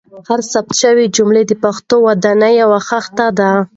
هره ثبت شوې جمله د پښتو د ودانۍ یوه خښته ده.